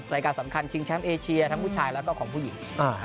รายการสำคัญชิงแชมป์เอเชียทั้งผู้ชายแล้วก็ของผู้หญิง